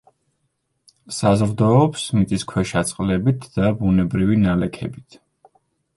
საზრდოობს მიწისქვეშა წყლებით და ბუნებრივი ნალექებით.